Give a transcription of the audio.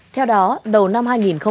theo đó đầu năm hai nghìn một mươi tám